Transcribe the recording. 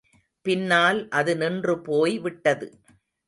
பின்னால் அது நின்றுபோய் விட்டது.